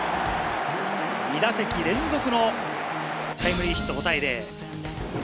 ２打席連続のタイムリーヒットで５対０。